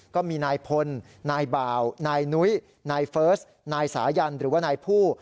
ก็มีนายพลนายบ่าวนายนุ้ยนายเฟิร์สนายสายันหรือว่านายผู้